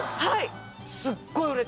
はい。